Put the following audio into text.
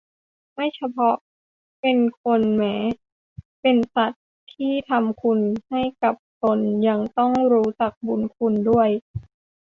ไม่เฉพาะเป็นคนแม้เป็นสัตว์ที่ทำคุณให้กับตนยังต้องรู้จักบุญคุณด้วย